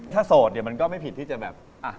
ถ้าโสดเนี่ยมันก็ไม่ผิดที่จะแบบ